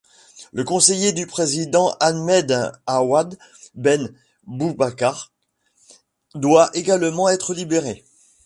Le conseiller du président, Ahmed Awad ben Moubarak, doit également être libéré.